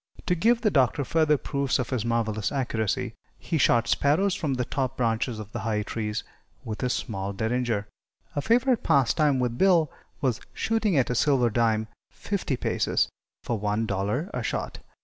To give the Doctor further proofs of his marvelous accuracy, he shot sparrows from the top branches of the high trees with his small derringer. A favorite pastime with Bill was shooting at a silver dime, fifty paces, for one dollar a shot.